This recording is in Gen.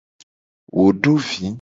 Wo do vi.